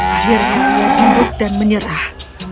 akhirnya ia duduk dan menyerah